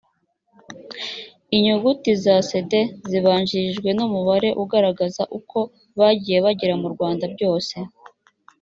inyuguti za cd zibanjirijwe n umubare ugaragaza uko bagiye bagera mu rwanda byose